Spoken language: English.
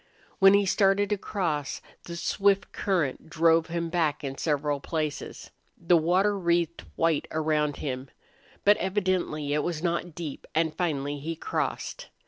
When he started to cross, the swift current drove him back in several places. The water wreathed white around him. But evidently it was not deep, and finally he crossed.